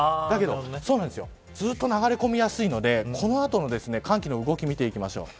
だけどずっと流れ込みやすいのでこの後の寒気の動きを見ていきます。